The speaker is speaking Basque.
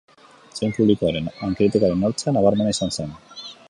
Zein publikoaren hain kritikaren onartzea nabarmena izan zen.